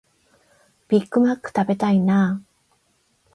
ビッグマック食べたいなあ